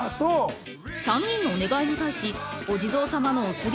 ３人のお願いに対しお地蔵様のお告げは？